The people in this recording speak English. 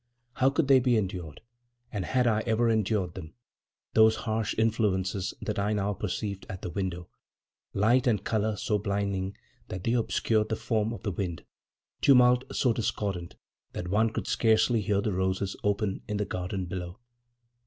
How could they be endured—and had I ever endured them?—those harsh influences that I now perceived at the window; light and color so blinding that they obscured the form of the wind, tumult so discordant that one could scarcely hear the roses open in the garden below?